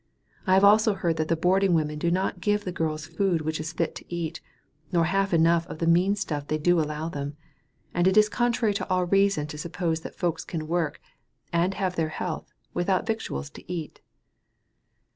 I have also heard that the boarding women do not give the girls food which is fit to eat, nor half enough of the mean stuff they do allow them, and it is contrary to all reason to suppose that folks can work, and have their health, without victuals to eat."